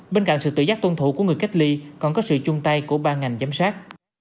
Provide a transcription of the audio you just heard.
bên cạnh sự tự giác tuân thủ của người cách ly còn có sự chung tay của ba ngành giám sát